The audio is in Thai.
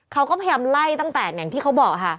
เขาก็พยายามไล่ตั้งแต่อย่างที่เขาบอกค่ะ